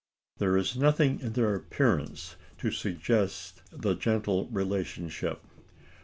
There is nothing in their appearance to suggest the gentle relationship.